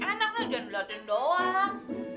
enak lah jangan dilihatin doang